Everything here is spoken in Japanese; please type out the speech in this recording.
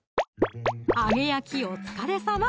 揚げ焼きお疲れさま！